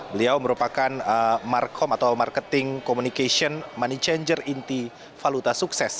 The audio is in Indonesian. beliau merupakan markom atau marketing communication money changer inti valuta sukses